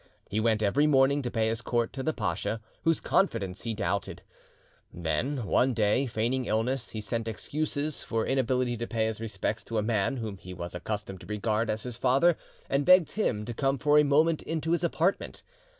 He went every morning to pay his court to the pacha, whose confidence he doubted; then, one day, feigning illness, he sent excuses for inability to pay his respects to a man whom he was accustomed to regard as his father, and begged him to come for a moment into his apartment.